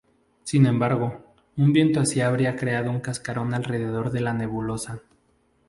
Sin embargo, un viento así habría creado un cascarón alrededor de la nebulosa.